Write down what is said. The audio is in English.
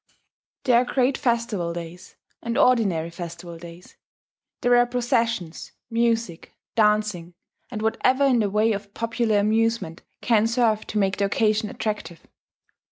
There are great festival days and ordinary festival days; there are processions, music, dancing, and whatever in the way of popular amusement can serve to make the occasion attractive.